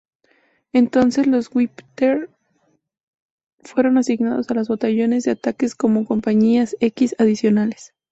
Entonces los Whippet fueron asignados a los batallones de tanques como "compañías X" adicionales.